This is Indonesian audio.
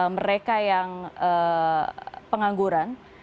mereka yang pengangguran